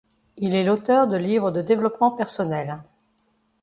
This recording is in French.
Il est l'auteur de livres de développement personnel.